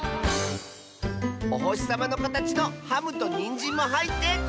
おほしさまのかたちのハムとにんじんもはいってかわいい！